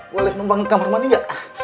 boleh membangun kamar mandi gak